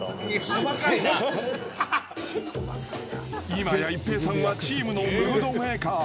いまや、一平さんはチームのムードメーカー。